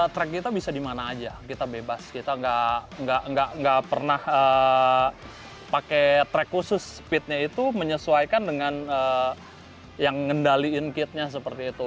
track kita bisa di mana saja kita bebas kita tidak pernah pakai track khusus speednya itu menyesuaikan dengan yang mengendalikan kitnya seperti itu